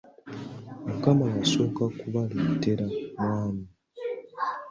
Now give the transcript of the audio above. Mukama yasooka kubaleetera mwami.